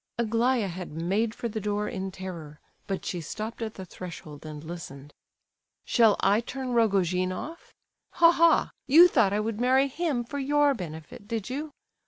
Aglaya had made for the door in terror, but she stopped at the threshold, and listened. "Shall I turn Rogojin off? Ha! ha! you thought I would marry him for your benefit, did you?